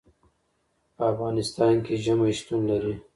په افغانستان کې ژمی شتون لري.